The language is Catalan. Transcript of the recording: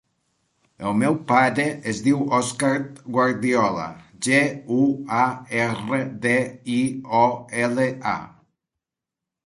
El meu pare es diu Òscar Guardiola: ge, u, a, erra, de, i, o, ela, a.